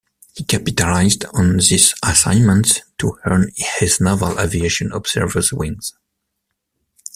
He capitalized on this assignment to earn his naval aviation observer's wings.